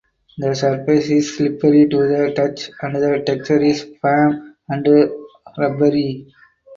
The surface is slippery to the touch and the texture is firm and rubbery.